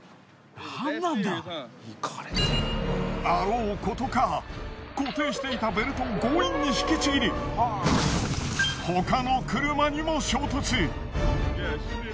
あろうことか固定していたベルトを強引に引きちぎり他の車にも衝突。